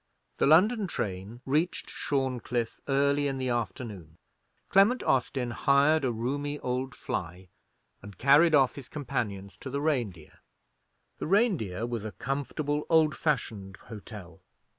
The London train reached Shorncliffe early in the afternoon. Clement Austin hired a roomy old fly, and carried off his companions to the Reindeer. The Reindeer was a comfortable old fashioned hotel.